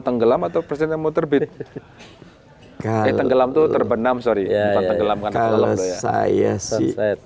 tenggelam atau presiden motorbit kalau gelap tuh terbenam sorry kalau saya sih